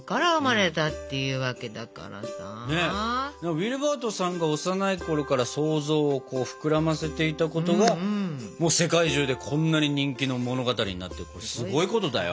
ウィルバートさんが幼いころから想像を膨らませていたことが世界中でこんなに人気の物語になってすごいことだよ。